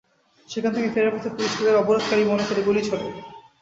সেখান থেকে ফেরার পথে পুলিশ তাঁদের অবরোধকারী মনে করে গুলি ছোড়ে।